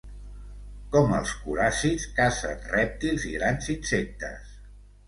Com els coràcids cacen rèptils i grans insectes.